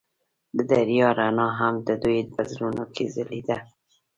د دریا رڼا هم د دوی په زړونو کې ځلېده.